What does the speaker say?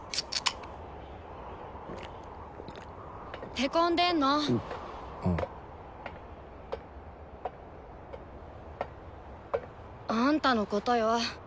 へこんでんの？あんたのことよ。